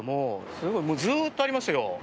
すごい、ずーっとありますよ